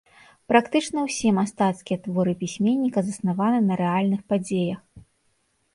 Практычна ўсе мастацкія творы пісьменніка заснаваны на рэальных падзеях.